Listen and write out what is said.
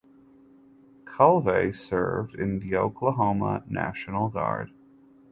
Calvey served in the Oklahoma National Guard.